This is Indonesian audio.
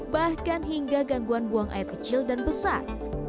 bahkan hingga gangguan buang air kecil dan besar